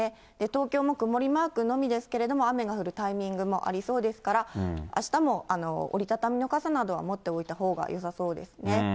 東京も曇りマークのみですけれども、雨が降るタイミングもありそうですから、あしたも折り畳みの傘などは持っておいたほうがよさそうですね。